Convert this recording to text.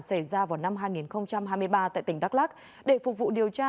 xảy ra vào năm hai nghìn hai mươi ba tại tỉnh đắk lắc để phục vụ điều tra